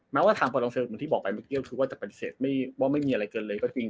แม้ว่าทางปลองเซลเหมือนที่บอกไปเมื่อกี้คือว่าจะปฏิเสธว่าไม่มีอะไรเกินเลยก็จริง